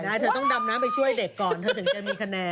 ใช่เธอต้องดำน้ำไปช่วยเด็กก่อนเธอถึงจะมีคะแนน